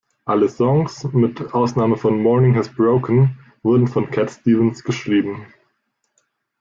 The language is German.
Alle Songs, mit Ausnahme von "Morning Has Broken", wurden von Cat Stevens geschrieben.